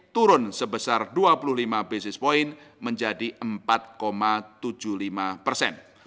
turun sebesar dua puluh lima basis point menjadi empat tujuh puluh lima persen